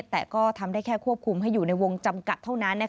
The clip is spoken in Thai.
แต่ก็ทำได้แค่ควบคุมให้อยู่ในวงจำกัดเท่านั้น